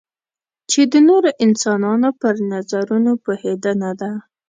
چې د نورو انسانانو پر نظرونو پوهېدنه ده.